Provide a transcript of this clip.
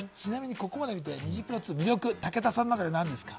ここまで見てきて魅力、武田さんの中で何ですか？